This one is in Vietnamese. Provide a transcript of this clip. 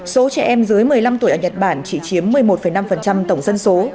số trẻ em dưới một mươi năm tuổi ở nhật bản chỉ chiếm một mươi một năm tổng dân số